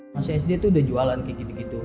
mas sd itu sudah jualan kayak gitu gitu